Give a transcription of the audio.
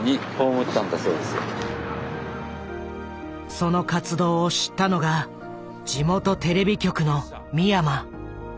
その活動を知ったのが地元テレビ局の三山。